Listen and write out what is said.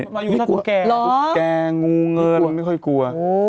ตุ๊กแก่งูเงินไม่ค่อยกลัว